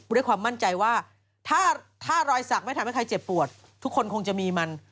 ด้วยความมั่นใจว่าถ้ารอยสักไม่ทำให้ใครเจ็บปวดทุกคนคงจะมีมัน